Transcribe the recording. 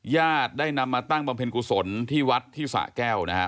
ญาติได้นำมาตั้งบำเพ็ญกุศลที่วัดที่สะแก้วนะครับ